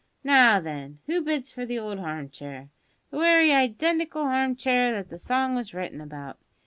Now, then, who bids for the old harm chair? the wery identical harm chair that the song was written about.